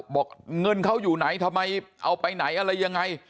บอกเงินเขาอยู่ไหนทำไมเอาไปไหนอะไรยังไง